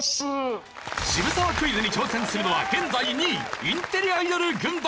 渋沢クイズに挑戦するのは現在２位インテリアイドル軍団。